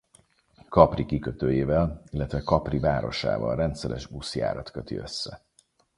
Capri kikötőjével illetve Capri városával rendszeres buszjárat köti össze.